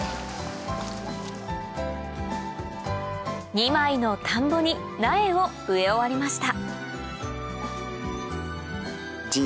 ２枚の田んぼに苗を植え終わりました